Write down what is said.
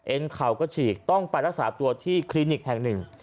เข่าก็ฉีกต้องไปรักษาตัวที่คลินิกแห่งหนึ่ง